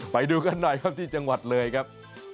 ไปดูกันหน่อยครับที่จังหวัดเลยครับ